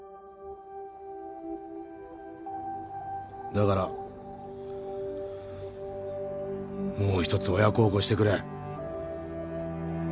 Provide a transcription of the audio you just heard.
だからもう一つ親孝行してくれ。